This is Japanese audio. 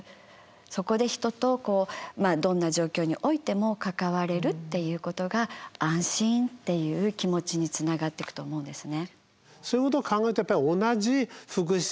そこで人とどんな状況においても関われるっていうことが安心っていう気持ちにつながっていくと思うんですね。